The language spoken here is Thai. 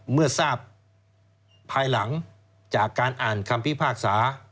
เมื่อทราบภายหลังจากการอ่านคำพิพากษา